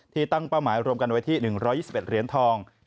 ตั้งเป้าหมายรวมกันไว้ที่๑๒๑เหรียญทอง